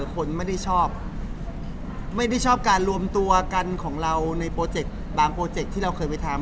คนไม่ได้ชอบการรวมตัวกันของเราในบางโปรเจ็คที่เราเคยไปทำ